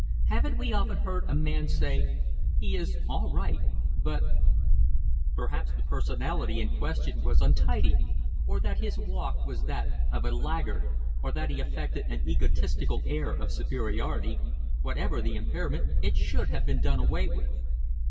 Haven't we often heard a man say: "He is all right but...!" Perhaps the personality in question was untidy, or that his walk was that of a laggard, or that he affected an egotistical air of superiority whatever the impairment it should have been done away with.